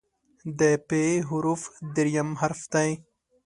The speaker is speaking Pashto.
د "پ" حرف دریم حرف دی.